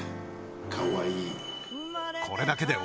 かわいい。